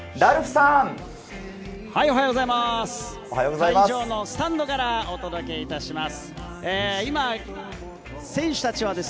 会場のスタンドからお届けします。